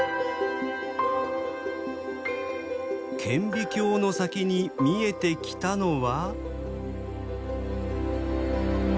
顕微鏡の先に見えてきたのは。